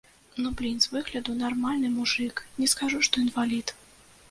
Ну, блін, з выгляду нармальны мужык, не скажу, што інвалід.